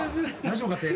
大丈夫か手。